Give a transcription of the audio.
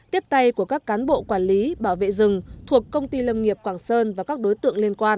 tiếp tay của các cán bộ quản lý bảo vệ rừng thuộc công ty lâm nghiệp quảng sơn và các đối tượng liên quan